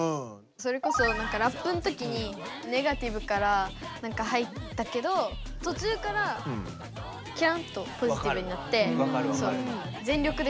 それこそラップのときにネガティブから入ったけどとちゅうからキランとポジティブになって。